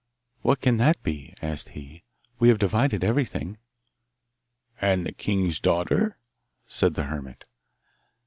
'What can that be?' asked he. 'We have divided everything.' 'And the king's daughter?' said the hermit.